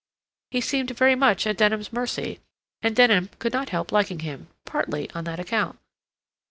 He seemed very much at Denham's mercy, and Denham could not help liking him, partly on that account.